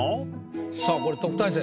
さあこれ特待生。